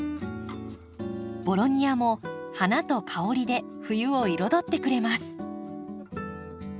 ボロニアも花と香りで冬を彩ってくれます。